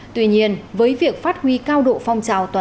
tuy nhiên với việc phát huy cao độ phong trào